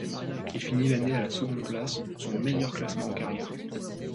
Il finit l'année à la seconde place, son meilleur classement en carrière.